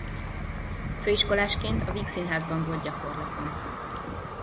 Főiskoláskén a Vígszínházban volt gyakorlaton.